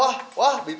gak ada dokter yang ini